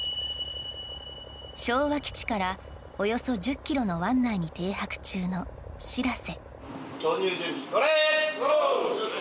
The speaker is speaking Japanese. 昭和基地からおよそ１０ｋｍの湾内に停泊中の「しらせ」。